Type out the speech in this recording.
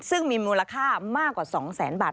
ซึ่งมีมูลค่ามากกว่า๒แสนบาท